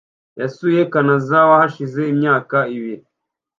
Yasuye Kanazawa hashize imyaka ibiri .